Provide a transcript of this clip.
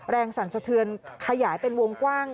แรงสรรสเทือนขยายเป็นวงกว้าง